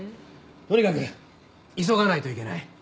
とにかく急がないといけない。